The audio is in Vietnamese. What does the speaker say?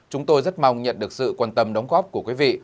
chúng tôi rất mong nhận được sự quan tâm đóng góp của quý vị